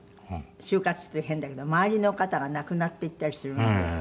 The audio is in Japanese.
終活っていうの変だけど周りの方が亡くなっていったりするんで。